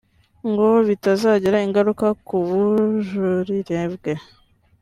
ngo bitazagira ingaruka ku bujurire bwe